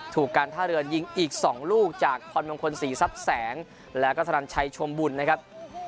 การท่าเรือยิงอีก๒ลูกจากพรมงคลศรีทรัพย์แสงแล้วก็ธนันชัยชมบุญนะครับ